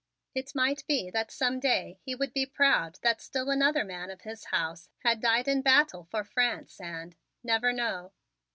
It might be that some day he would be proud that still another man of his house had died in battle for France and never know.